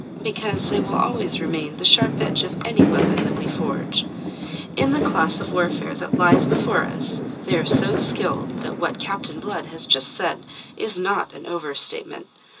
"Because they will always remain the sharp edge of any weapon that we forge. In the class of warfare that lies before us they are so skilled that what Captain Blood has just said is not an overstatement.